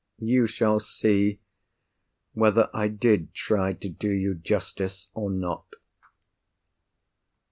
"You shall see whether I did try to do you justice, or not.